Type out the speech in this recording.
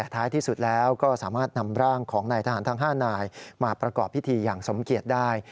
ท้ายที่สุดแล้วก็สามารถนำร่างของนายทหารทั้ง๕นายมาประกอบพิธีอย่างสมเกียจได้